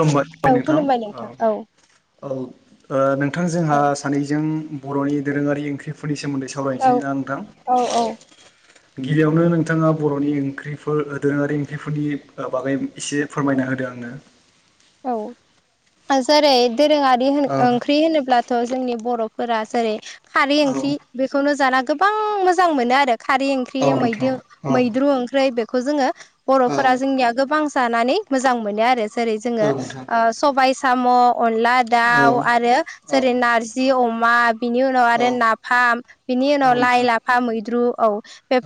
खुलुमबाय औ नोंथां खुलुमबाय औ ओ औ नोंथां औ जोंहा सानैजों बर'नि दोरोङारि ओंख्रिफोरनि सोमोन्दै औ सावरायनोसै ना नोंथां औ गिबियावनो नोंथाङा बर'नि ओंख्रिफोर ओ दोरोङारि ओंख्रिफोरनि बागै एसे फोरमायना होदों आं नो औ जेरै दोरोङारि औ ओंख्रि होनोब्लाथ' जोंनि बर' फोर जेरै खारै औ ओंख्रि बेखौनो जाना गोबां मोजां मोनो आरो। खारै ओंख्रि औ मैद नोंथां औ मैद्रु ओंख्रि बेखौ जोङो औ बर'फोरा जोंनिया गोबां जानानै मोजां मोनो आरो जेरै औ जोङो ओ नोंथां सबाय साम' अनला औ दाउ आरो औ जेरै नारजि अमा बिनि उनाव औ आरो नाफाम बिनि औ नोंथां औ उनाव लाइ नोंथां लाफा मैद्रु औ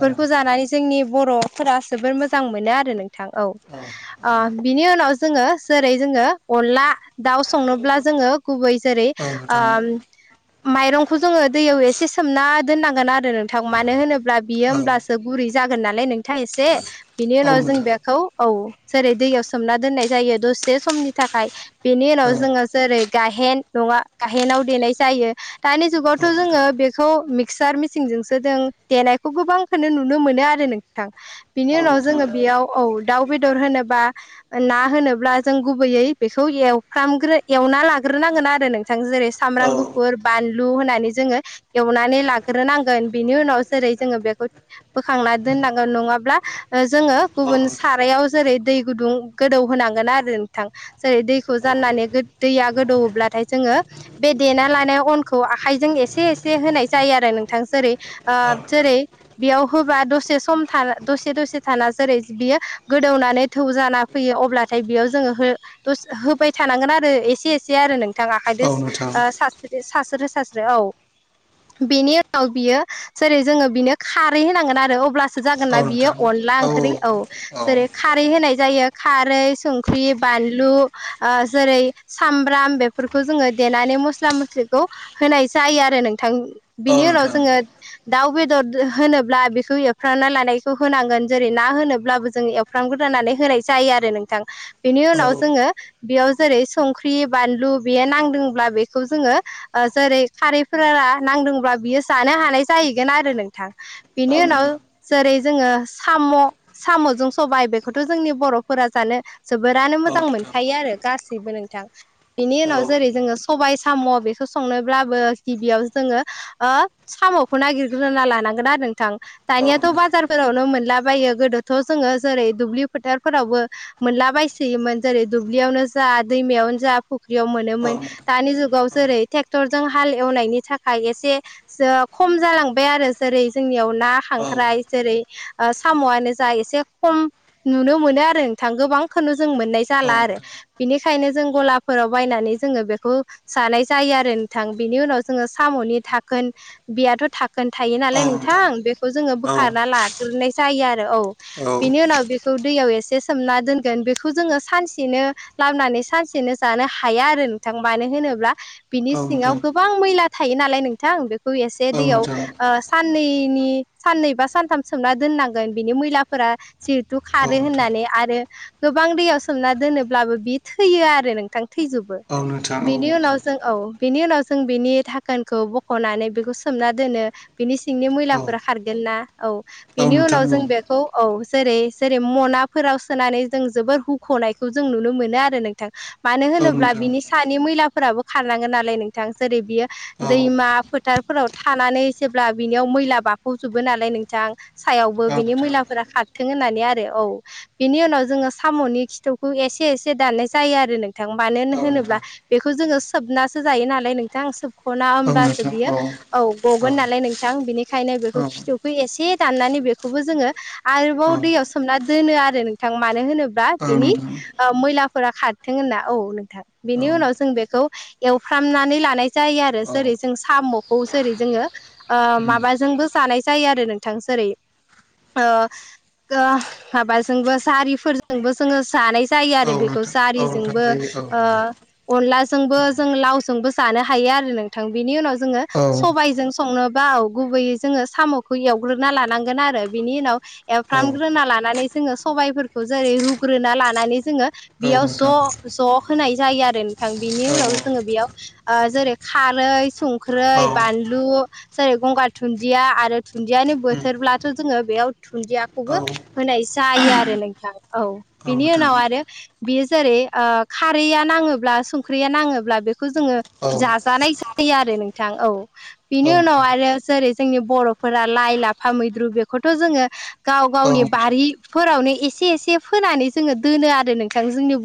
औ नोंथां औ जानानै जोंनि बर'फोरा जोबोर मोजां मोनो आरो नों थां औ बिनि उनाव जोङो जेरै जोङो अनला दाउ संनोब्ला जोङो गुबै जेरै औ नोंथां ओ माइरंखौ जोङो दैयाव एसे सोमना दोननांगोन आरो नोंथां मानो होनोब्ला बियो होमब्लासो बुरै जागोन नालाय नों थां एसे बिनि उनाव जों बेखौ औ जेरै दैयाव सोमना दोननाय जायो दसे बे समनि थाखाय बेनि उनाव जोङो जेरै गाहेन नङा गायेनाव देनाय जायो। दानि जुगावथ' औ नोंथां औ जोङो नोंथां बेखौ मिक्सार मिसिनजोंसो जों देनायखौ गोबांखौो नुनो मोनो आरो नोंथां। बिनि उनाव जोङो बेयाव औ दाउ बेदर होनोबा ना होनोब्ला जों गुबैयै बेखौ एवफ्राम गुबैयै एवना लाग्रोनांगोन आरो नों जेरै सामब्राम गुफुर बानलु लु होनानै जोङो एवनानै लाग्रोनांगोन बिनि उनाव जेरै जोङो बेखौ बोखांना दोननांगोन नङाब्ला जोङो गुबुन सारायाव जेरै दै गुदुं गोदौ होनांगोन आरो नोंथां जेरै दैखौ औ जाननानै दैया गोदौवोब्लाथाय जोङो बे देना लानायाव अनखौ आखाइजों एसे एसे होनाय जायो आरो नोंथां जेरै औ नोंथां जेरै बेयाव होबा दसे दसे सम दसे दसे थाना जेरै बियो गोदौनानै थौ जाना फैयो अब्लाथाय बेयाव जो होबाय थानांगोन आरो एसे एसे आरो नोंथां। नोंथांङाहाय औ नोंथां आखायदो सास्रो सास्रो औ बेनि उनाव बियो जेरै जोङो बिनो खारै होनांगोन आरो अब्ला औ जागोनना बियो नोंथां अनला ओंख्रि औ औ जेरै खारै होनाय जायो खारै संख्रि बानलु जेरै सामब्राम बेफोरखौ जोङो देनानै मस्ला मस्लिखौ होनाय जायो आरो नोंथां औ बिनि उनाव नोंथां जोङो दाउ बेदर होनोब्ला बेखौ एवफ्रामना लानायखौ होनांगोन जेरै ना होनोब्लाबो जों एवफ्रामग्रोनानै होनाय जायो आरो नोंथां बेनि औ उनाव जोङो बेयाव जेरै संख्रि बानलु बेयो नांदोंब्ला बेखौ जोङो जेरै खारैफोरा नांदोंब्ला बियो जानो हानाय जाहैगोन आरो नोंथां औ बेनि उनाव नोंथां जेरै जोङो साम' साम'जों सबाय बेखौथ' जोंनि बर'फोरा जानो जोबोरानो औ मोजां नोंथां मोनखायो आरो गासैबो नोंथां बेनि औ उनाव जेरै जोङो सबाय साम' बेखौ संनोब्लाबो गिबियाव जोङो साम'खौ नागिरग्रोना लानांगोन आरो नोंथां औ दानियाथ' नोंथां बाजारफोरावनो मोनलाबायो गोदोथ' जोङो जेरै दुब्लि फोथारफोरावबो मोनला बायसोयोमोन जेरै दुब्लियावनो जा दैमायावनो जा फुख्रियाव औ मोनोमोन नोंथां दानि जुगाव जेरै ट्रेक्टर जों हाल एवनायनि थाखाय एसे खम जालांबाय आरो जेरै जोंनियाव ना औ खांख्राय जेरै ओ साम'आनो जा एसे खम नुनो मोनो आरो गोबांखौनो जों मोननाय औ जाला आरो नोंथां बिनिखायनो जों गलाफोराव बायनानै जोङो बेखौ जनाय जायो आरो नोंथां बिनि उनाव जोङो साम' नि थाखोन बेयाथ' थाखोन थायो नालाय नोंथां बेखौ जोङो बोखारना औ ला गोरनाय जायो आरो औ बिनि उनाव बेखौ दैयाव एसे सोमना दोनगोन बेखौ जोङो सानसेनो लाबोनानै सानसेनो जानो हाया आरो नोंथां मानो होनो ब्ला बिनि औ सिङाव नोंथां गोबां मैला थायो नालाय नोंथां बेखौ एसे औ नोंथां औ नोंथां औ नोंथां औ नोंथां औ नोंथां औ नोंथां औ नोंथां औ नोंथां औ नोंथां औ दैयाव ओ नोंथां साननै दैनि साननै बा सानथाम सोमना दोननांगोन बिनि मैलाफोरा जिहेथु औ खारो नोंथां होननानै आ ओ गोबां दैयाव सोमना दोनोब्लाबो बे थैयो आरो नोंथां थैजोबो बिनि उनाव जों औ बेनि उनाव जों बिनि थाखोनखौ बख'नानै बेखौ सोमना दोनो बिनि सिंनि मैलाफोरा खारगोन ना औ बिनि उनाव जों बेखौ औ जेरै जेरै मनाफोराव सो सोनानै जों जोबोर हुख'नायखौ जों नुनो मोनो आरो नोंथां मानो होनोब्ला बिनि सानि मैला फोराबो खारलांगोन नालाय नोंथां जेरै बियो दैमा फोथारफोराव थानानै जेब्ला बियाव मैला बाफ'बजोबो नालाय नोंथां सायावबो बिनि मैलाफोरा खारथों होननानै आरो औ बेनि उनाव जोङो साम'नि खिथौखौ एसे एसे दाननाय जायो आरो नोंथां मानो होनोब्ला बेखौ जोङो सोबनासो जायो नालाय नोंथां सोब खना होमबासो बियो औ गगोन नालाय नोंथां बिनिखायनो बेखौ खिथौखौ एसे दाननानै बेखौबो जोङो आरोबाव दैयाव सोमना दोनो आरो नों थां मानो होनोबा बेनि मैलाफोरा खारथों होनना औ नोंथां बेनि उनाव जों बेखौ औ एवफ्रामनानै लानाय जायो आरो जेरै जों साम'खौ जेरै जोंङो ओ माबा जोंबो जानाय जायो आरो नोंथां जेरै ओ गा माबाजोंबो जारिफोरजोंबो जोङो जानाय जायो आरो बेखौ जारिजोंबो जायो औ औ ओ अनलाजोंबो जों लावजोंबो जानो हायो आरो नोंथां बिनि उनाव जोङो औ सबायजों संनोबा औ गुबैयै जोङो साम'खौ एवग्रोना लानांगोन आरो बिनि उनाव औ एवफ्रामग्रोना लानानै जोङो सबायफोरखौ जेरै रुग्रोना लानानै जोङो औ बेयाव नोंथां ज' ज' होनाय जायो आरो नोंथां बे बेनि औ उनाव जोङो बेयाव ओ जेरै खारै औ संख्रै बानलु जेरै गंगार दुनदिया आरो दुन्दियानि उम बोथोरब्लाथ' जोङो बेयाव दुन्दियाखौबो औ होनाय जायो आरो नोंथां औ बिनि उनाव आरो बियो जेरै ओ खारैया नाङोब्ला सं ख्रिया नाङोब्ला बेखौ जोङो औ जाजानाय जायो आरो नोंथां औ बेनि औ उनाव नोंथां आरो जेरै जोंनि बर'फोरा लाइ लाफा मैद्रु बेखौथ' जोङो गाव औ गावनि नोंथां बारि फोरावनो एसे एसे फोनानै जोङो दोनो आरो नोंथां जोंनि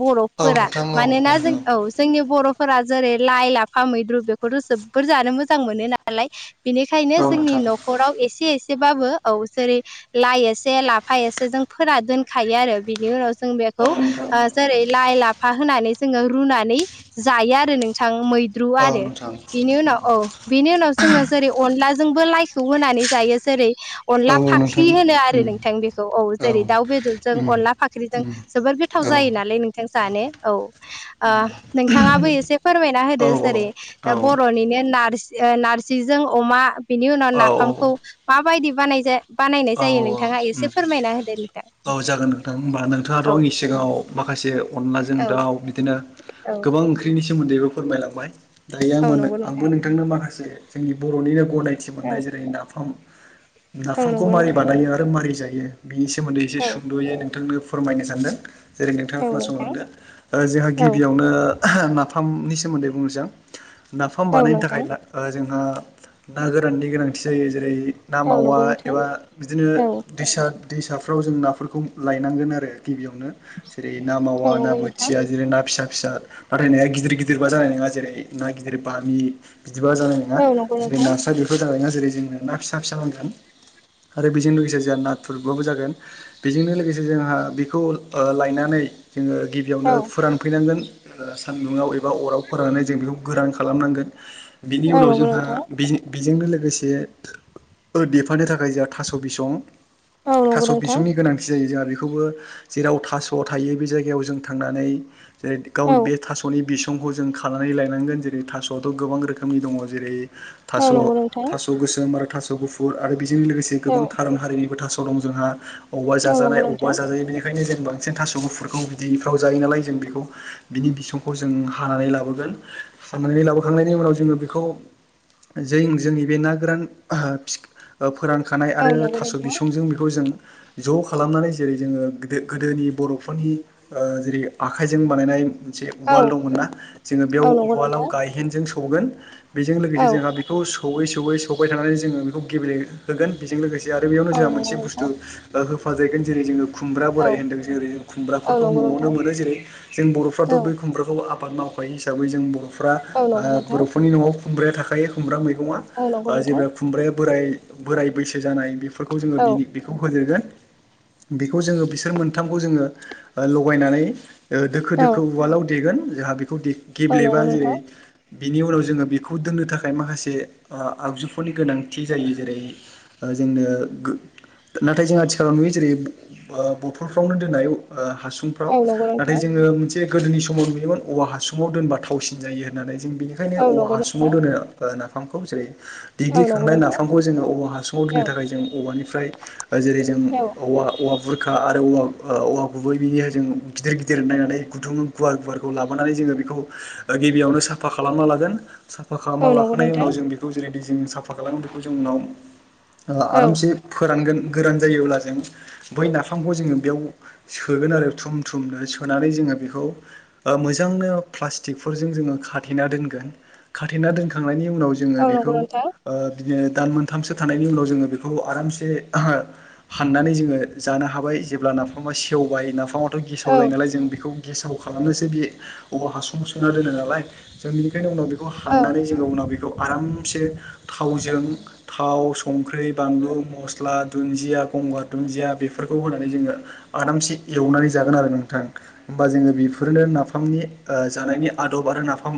औ बर'फोरा नोंथां औ मानोना नोंथां जों औ औ जोंनि बर'फोरा जेरै लाइ लाफा मैद्रु बेखौथ' जोबोर जानो मोजां मोनो नालाय बे निखायनो जोंनि नोंथां न'खराव एसे एसेबाबो औ जेरै लाइ एसे लाफा एसे जों फोनानै दोनखायो आरो बिनि उनाव जों बेखौ औ ओ जेरै लाइ लाफा होनानै जोङो रुनानै जायो आरो नोंथां मैद्रु आरो नोंथां औ नोंथां बिनि उनाव औ बेनि उनाव जोङो जेरै अर अनलाजोंबो लाइखौ होनानै जायो जेरै औ अनला फाख्रि नोंथां होनो आरो उम नोंथां बेखौ औ जेरै दाउ बेदरजों उम अनला फाख्रिजों उम जोबोर गोथाव औ जायो नालाय नोंथां‌ जानो औ ओ नोंथाङाबो एसे फोरमायना औ होदो जेरै औ बर'निनो नारजि ओ नारजिजों अ अमा बिनि उनाव औ नाफामखौ मा बायदि बानाय जा बानायनाय औ जायो नोंथाङा एसे उम फोरमायना हो औ जागोन नोंथां होमबा नोंथाङाथ' नोंथां औ आंनि सिगाङाव माखासे अनलाजों औ दाउ बिदिनो औ गोबां ओंख्रिनि सोमोन्दैबो फोरमायलांबाय दायो आं औ मोनो नंगौ नोंथां आंबो नोंथांनो माखासे जोंनि बर'निनो गनायथि औ मोननाय जेरै नाफाम औ नाफामखौ नंगौ मारै नोंथां बानायो आरो मारै जायो बिनि सोमोन्दै एसे औ सुंद'यै नोंथांनो फोरमायनो सानदों जेरै नोंथाङा औ नोंथां खोनासंलांदो ओ जोंहा औ गिबियावनो ओहोम नाफामनि सोमोन्दै बुंनोसै आं नाफाम औ बानायनो थाखाय नोंथां ओ जों ओ ना गोराननि गोनांथि जायो जेरै ना औ मावा नंगौ नोंथां एबा बिदिनो औ दैसा दैसाफ्राव जों नाफोरखौ लायनांगोन आरो गिबियावनो जेरै ना औ मावा ना नंगौ नोंथां बोथिया जेरै ना फिसा फिसा नाथाय नाया गिदिर गिदिर बा जानाय नङा जेरै ना गिदिर बामि बिदिबा जानाय नङा औ नंगौ जेरै नोंथां नास्राय बेफोर जानाय नङा। जेरै जोंनो ना फिसा फिसा नांगोन आरो बेजों लोगोसे जों नाथुरबाबो जागोन। बेजोंनो लोगोसे जोंहा बेखौ लायनानै जोङो गिबियावनो औ फोरानफैनांगोन। ओ सान्दुङाव एबा अराव फोराननानै जों बेखौ गोरान खालामनांगोन। बिनि औ उनाव नंगौ जोंहा नोंथां बि बेजोंनो लोगोसे देफानो थाखाय जोंहा थास' बिसं औ नंगौ थास' नोंथां बिसंनि गोनांथि जायो जोंहा बेखौबो जेराव थास' थायो बे जायगायाव जों थांनानै जेरै गाव औ बे थास'नि बिसंखौ जों खानानै लायनांगोन जेरै थास'वाथ' गोबां रोखोमनि दङ जेरै औ नंगौ नोंथां थास' गोसोम आरो थास' गुफुर आरो बेजों लोगोसे औ गोबां थारुन हारिनिबो थास' दं जोंहा अबेबा औ नंगौ जाजानाय अबेबा नोंथां जाजायो बेनिखायनो जों बांसिन थास' गुफुरखौ बिदिफ्राव जायो नालाय जों बेखौ बिनि बिसंखौ जों हानानै लाबोगोन। हानानै लाबोखांनायनि उनाव जों बेखौ जों जोंनि बे ना गोरान। फोरानखानाय औ आरो नंगौ थास' नोंथां बिसंजों बेखौ जों ज' खालामनानै जेरै जोङो गोदोनि बर'फोरनि जेरै आखाइजों बानायनाय मोनसे औ उवाल दंमोनना जोङो बेयाव औ नंगौ उवालाव नोंथां गायहेनजों सौगोन बेजों लोगोसे औ जोंहा बेखौ सौवै सौवै सौबाय थानानै जोङो बेखौ गेब्लेहोगोन बेजों लोगोसे आरो बेयावनो औ जोंहा नंगौ मोनसे बुस्थु नोंथां होफादेरगोन जेरै जोङो खुमब्रा औ बोराय होनदों जेरै औ नंगौ नोंथां औ खुमब्राफोरखौ नंगौ न'वावनो नोंथां मोनो जेरै जों बर'फ्राथ' बे खुमब्राखौ आ आबाद मावफायो हिसाबै जों बर' बर'फ्रा ओ बर'फोरनि न'वाव खुमब्राया थाखायो खुमब्रा मैगङा औ नंगौ जे नोंथां खुमब्राया बोराय बोराय बैसो जानाय बेफोरखौ जोङो औ बिनि बेखौ बेखौ जोङो बिसोर मोनथामखौ जोङो लगायनानै ओ दोखो औ दोखो उवालाव देगोन जोंहा बेखौ औ गेब्लेबा नंगौ जेरै नोंथां बिनि उनाव जोङो बेखौ दोननो थाखाय माखासे आगजुफोरनि गोनांथि जायो जेरै जोंनो नाथाय जों आथिखालाव नुयो जेरै बथलफ्रावनो दोननाय हासुंफ्राव औ नंगौ नोंथां नाथाय जोङो मोनसे गोदोनि समाव नुयोमोन औवा हासुंआव दोनबा थावसिन जायो होननानै जों बेनिखायनो औ औवा नंगौ हासुङाव नोंथां दोनो नाफामखौ जेरै- औ नंगौ देग्लिखांनाय नोंथां नाफामखौ जोङो औवा हासुङाव औ दोननो थाखाय जों औवानिफ्राय जेरै जों औ औवा औवा बुरखा आरो औवा औवा गुबै बिनिजों गिदिर गिदिर नायनानै गुदुंङ गुवार गुवारखौ लाबोन जों बेखौ गिबियावनो साफा खालामना लागोन। साफा औ खालामना नंगौ लाखांनायनि नोंथां उनाव जों बेखौ जेरैदि जों साफा खालामो बेखौ जों उनाव औ आरामसे गोरान जायोब्ला जों बै नाफामखौ जोङो बेयाव सोगोन आरो थुम थुमनो होनानै जोङो बेखौ मोजांनो प्लास्टिकफोरजों जोङो खाथेना दोनगोन। खाथेना दोनखांनायनि उनाव उनाव जोङो औ नंगौ बेखौ नोंथां बिदिनो दान मोनथामसो थानायनि उनाव जों बेखौ आराम हाननानै जोङो जानो हाबाय जेब्ला नाफामा सेवबाय नाफाम दाथ' गेसाव जायो औ नालाय जों बेखौ गेसाव खालामनोसो बे औवा हासुंआव सोना दोनो नालाय जोंनि बेखायनि उनाव बेखौ औ हाननानै जोङो उनाव बेखौ आरामसे थावजों थाव संख्रि बानलु मस्ला मस्ला दुन्दिया गंगार दुन्दिया बेफोरखौ होनानै जोङो आरामसे एवनानै जागोन आरो नोंथां। होमबा जोङो बेफोरनो नाफामनि जानायनि आदब आरो नाफाम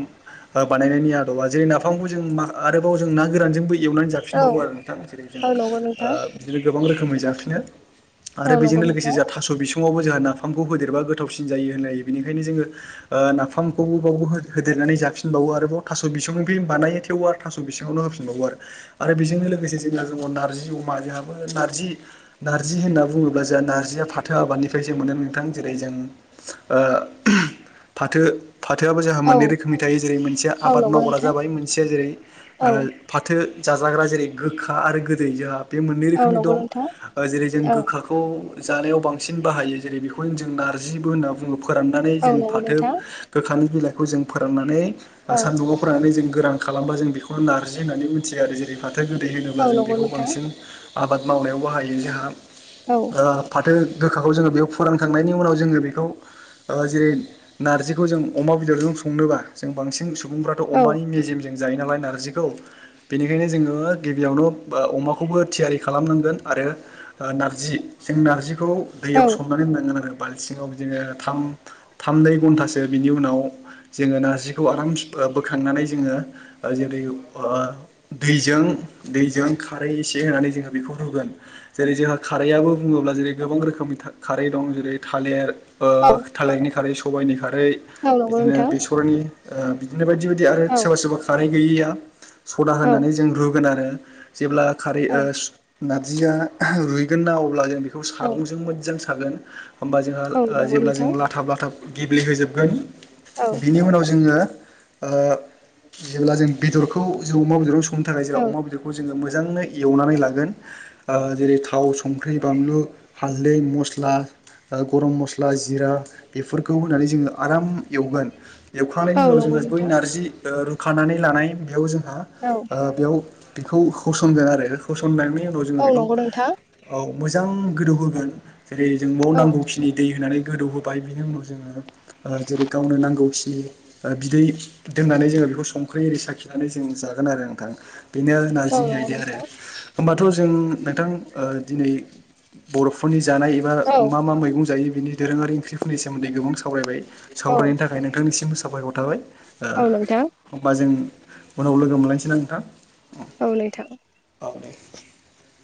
ह बानायनायनि आदबा जेरै नाफामखौ जों आरोबाव जों ना गोरानजों बै एवनानै औ जाफिनबावो आरो नोंथां जेरै जों औ नंगौ नोंथां बिदिनो गोबां रोखोमै जाफिनो औ आरो बेजों नंगौ लोगोसे नोंथां जोंहा थास' बिसङावबो जों नाफाम नाफामखौ होदेरबा गोथावसिन जायो होनायो बेनिखाय जो नाफामखौ बावबो होदेरनानै जाफिनबाव आरोबाव थ' बिसं बानायोेव आरो थ' बिावनो होफिनबावो आरो बेजोंनो लोगोसे नारजि नारजि नारजि होनना बुङोब्ला जों नारजिया फाथो आबादनिफ्रायसो मोनो नोंथां जेरै जों जों फाथो फाथोआबो जोंहा औ मोननै रोखोमनि थायो जेरै मोनसेया औ आबाद नंगौ मावग्रा नोंथां जाबाय मोनसेया जेरै औ फाथो जाजाग्रा जेरै गोखा आरो गोदै जोहाब बे मोननै औ रोखोमनि नंगौ दं नोंथां जेरै जों औ गोखाखौ जानायाव बांसिन बाहायो जेरै बेखौनो जों नारजिबो होनना बुङो फोराननानै औ जों नंगौ फाथो नोंथां गोखानि बिलाइखौ जों फोराननानै औ सानदुंङाव फोराननानै जों गोरान खालामबा जों बेखौनो नारजि होननानै मिथियो आरो जेरै फाथो गोदै औ होनोब्ला जों नंगौ बेखौ नोंथां बांसिन आबाद मावनायाव बाहायो जोंहा औ फाथो गोखाखौ जोङो बेयाव फुरानखांनायनि उनाव जोङो बेखौ जेरै नारजिखौ जों अमा बेदरजों संनो जों बांसिन स सुबुंफ्राथ' औ अमानि मेजेमजों जायो नालाय नारजिखौ बेनिखायनो जोङो गिबियावनो अमाखौ थियारि खालामनोन आरो नारजि बेखौ औ दैयाव संनानै होनो नांगोन आरो बाल्थिङाव जोङो थाम थाम नै घन्टासो बिनि उनाव जोङो नारजिखौ आराम बोखांनानै जोङो जेरै दैजों दैजों खारै एसे होनानै जों बेखौ रुोगोन जेरै जोंहा खारैबो बुङोब्ला जेरै गोबां रोखोमनि खारै दं। ओरै थालिर औ थालिरनि खारै सबायाइनि खारै औ नंगौ बिदिनो नोंथां बेसरनि बेनो बायदि बायदि आरो औ सोरबा सोरबा खारै गैयियाव सदा औ होनानै जों रुगोन आरो जेब्ला खारै औ नारजिया रुइगोन ना अब्ला जों बेखौ सागंजों मोजां सागोन। होमबा औ जोंहा नंगौ जेब्ला जों नोंथां औ लाथाब लाथाब गेब्लेहोजोबगोन बिनि उनाव जोङो जेब्ला जों बेदरखौ जों अमा बेदर संनो थाखाय जेब्ला अमा औ बेदरखौ जो मोजां एवनानै लागोन जेरै थाव संख्रि बानलु हालदै मस्ला गरम मस्ला जिरा बेफोरखौ होनानै जोङो आराम एवगोन एवखांनायनि औ उनाव नंगौ जोङो बय नोंथां नारजि रुखानानै लानाय बेयाव जों ओ औ बेयाव बिखौ होसनगोन‌ आरो। संनायनि उनाव जोङो औ बेखौ नंगौ नोंथां औ मोजां गोदौहोगोन। जेरै जोंबाव औ नांगौखिनि दै होनानै गोदौहोब बाय बिनि उनाव जोङो ओ जेरै गावनो नांगौखिनि बिदै दोननानै जोङो बेखौ सं संख्रि एरि साखिनानै जों जागोन आरो नोंथां बेनो औ नारजिनि नंगौ नोंथां आयदाया आरो। होमबाथ' जों नोंथां ओ दिनै। बर'फोरनि जानाय एबा औ मा मा मैगं जायो बिनि दोरोङारि ओंख्रिफोरनि सोमोन्दै गोबां सावरायबाय औ सावरायनायनि थाखाय नोंथांनिसिम साबायखर थाबाय। औ नोंथां ओ अब्ला जों उनाव लोगो मोनलायनोसै ना नोंथां। औ नोंथां। [inaudible]